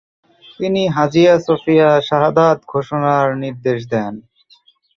তিনি Hagia Sophia শাহাদাহ ঘোষণার নির্দেশ দেন।